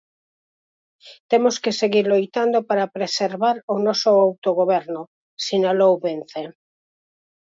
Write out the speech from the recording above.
Temos que seguir loitando para preservar o noso autogoberno, sinalou Vence.